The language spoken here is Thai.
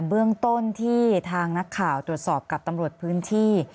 เบื้องต้นที่ทางนักข่าวตรวจสอบกับตำรวจพื้นที่